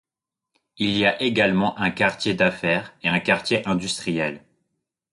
Il y a également un quartier d'affaires et un quartier industriel.